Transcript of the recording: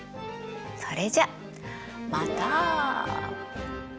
それじゃまた！